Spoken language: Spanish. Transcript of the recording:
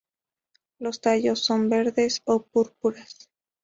Los tallos son verdes o púrpuras.